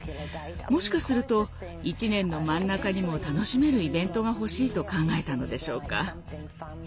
もしかすると１年の真ん中にも楽しめるイベントが欲しいと考えたのでしょうか。